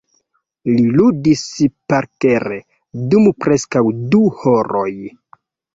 Li ludis parkere dum preskaŭ du horoj.